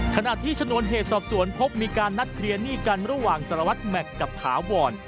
ขณะที่ชนวนเหตุสอบสวนพบมีการนัดเคลียร์หนี้กันระหว่างสารวัตรแม็กซ์กับถาวร